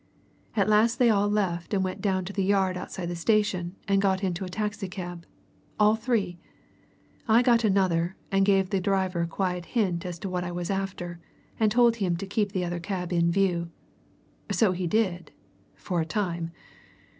At last they all left and went down to the yard outside the station and got into a taxi cab all three. I got another, gave the driver a quiet hint as to what I was after, and told him to keep the other cab in view. So he did for a time.